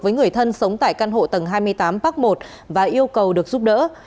với người thân sống tại căn hộ tầng hai mươi tám park một và yêu cầu được giúp đỡ